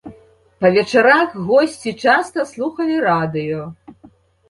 Па вечарах госці часта слухалі радыё.